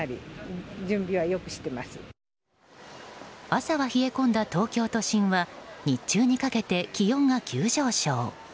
朝は冷え込んだ東京都心は日中にかけて気温が急上昇。